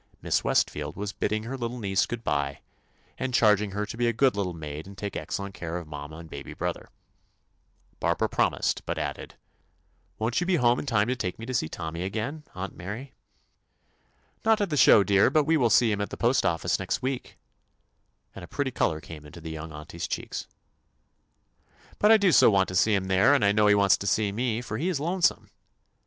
Miss Westfield was bidding her little niece good bye, and charging her to be a good little maid and take excellent care of mam ma and baby brother. Barbara prom ised, but added: "Won't you be 145 THE ADVENTURES OF home in time to take me to see Tom my again, Aunt Mary?" "Not at the show, dear, but we will see him at the postoffice next week," and a pretty color came into the young auntie's cheeks. "But I do so want to see him there, and I know he wants to see me, for he is lonesome."